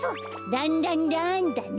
ランランランだね。